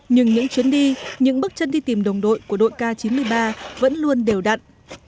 nhưng những chuyến đi những bước chân đi tìm đồng đội của đội k chín mươi ba vẫn luôn đều đặn